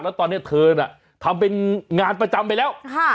แล้วตอนเนี้ยเธอเนี้ยทำเป็นงานประจำไปแล้วครับ